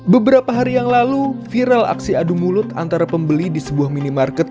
beberapa hari yang lalu viral aksi adu mulut antara pembeli di sebuah minimarket